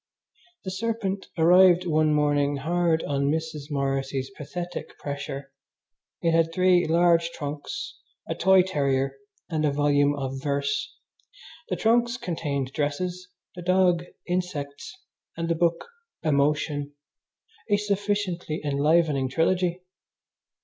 The serpent arrived one morning hard on Mrs. Morrissy's pathetic pressure. It had three large trunks, a toy terrier, and a volume of verse. The trunks contained dresses, the dog insects, and the book emotion a sufficiently enlivening trilogy!